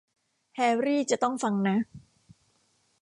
แฮร์รี่จะต้องฟังนะ